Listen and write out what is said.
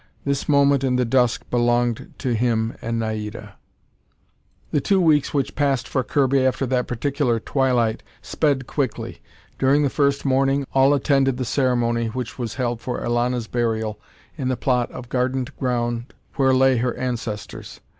This moment in the dusk belonged to him and Naida. The two weeks which passed for Kirby after that particular twilight sped quickly. During the first morning, all attended the ceremony which was held for Elana's burial in the plot of gardened ground where lay her ancestors.